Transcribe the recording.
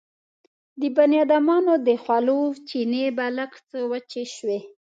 د بنيادمانو د خولو چينې به لږ څه وچې شوې.